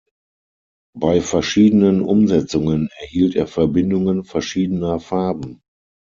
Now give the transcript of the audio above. Bei verschiedenen Umsetzungen erhielt er Verbindungen verschiedener Farben.